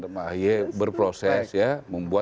mbak ahye berproses ya